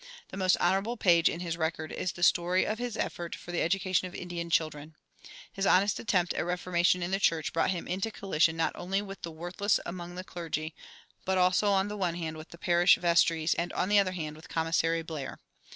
The most honorable page in his record is the story of his effort for the education of Indian children. His honest attempt at reformation in the church brought him into collision not only with the worthless among the clergy, but also on the one hand with the parish vestries, and on the other hand with Commissary Blair.